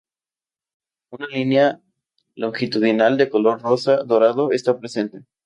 Una línea longitudinal de color rosa dorado está presente.